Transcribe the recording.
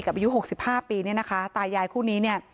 อายุหกสิบห้าปีเนี่ยนะคะตายายคู่นี้เนี่ย